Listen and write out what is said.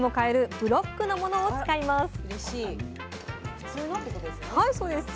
普通のってことですよね？